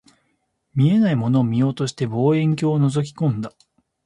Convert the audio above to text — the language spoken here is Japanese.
見えないものを見ようとして、望遠鏡を覗き込んだ